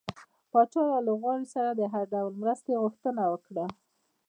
پاچا له لوبغاړو سره د هر ډول مرستې غوښتنه وکړه .